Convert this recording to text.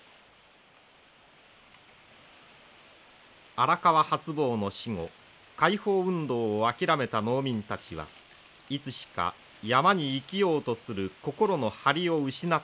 荒川初坊の死後解放運動を諦めた農民たちはいつしか山に生きようとする心の張りを失っていったのです。